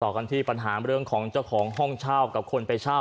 กันที่ปัญหาเรื่องของเจ้าของห้องเช่ากับคนไปเช่า